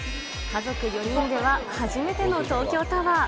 家族４人では初めての東京タワー。